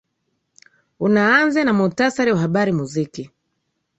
unaanze na muhtasari wa habari muziki